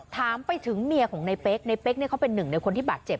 ถามไปถึงเมียของในเป๊กในเป๊กเนี่ยเขาเป็นหนึ่งในคนที่บาดเจ็บ